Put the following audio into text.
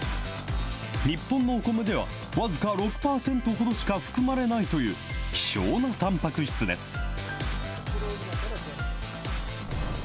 日本のお米では、僅か６％ほどしか含まれないという希少なたんぱく質です。